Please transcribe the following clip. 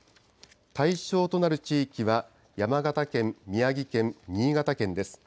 対象となる地域は、山形県、宮城県、新潟県です。